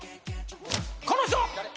この人！